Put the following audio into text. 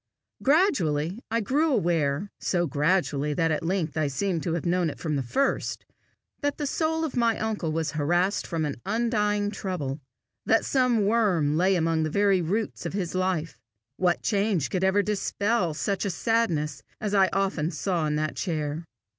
Gradually I grew aware so gradually that at length I seemed to have known it from the first that the soul of my uncle was harassed with an undying trouble, that some worm lay among the very roots of his life. What change could ever dispel such a sadness as I often saw in that chair!